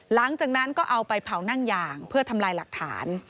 หลังจากนั้นก็เอาไปเผานั่งยางเพื่อทำลายหลักฐาน